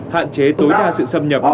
hạn chế tối đa sự xâm nhập